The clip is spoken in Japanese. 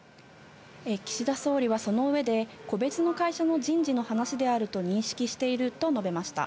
岸田総理はその上で、個別の会社の人事の話であると認識していると述べました。